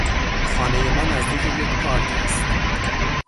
خانهی ما نزدیک یک پارک است.